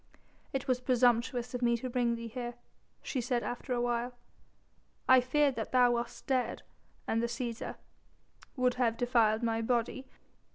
"It was presumptuous of me to bring thee here," she said after a while. "I feared that thou wast dead, and the Cæsar...." "Would have defiled my body.